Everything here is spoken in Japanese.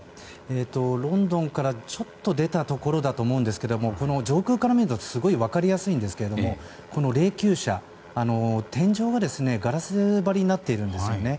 ロンドンから、ちょっと出たところだと思うんですが上空から見るとすごく分かりやすいんですけれどもこの霊柩車、天井がガラス張りになっているんですよね。